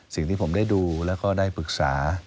สิ่งที่ผมได้ดูแล้วก็ได้ปรึกษา